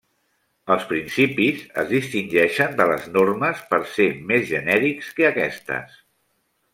Els principis es distingeixen de les normes per ser més genèrics que aquestes.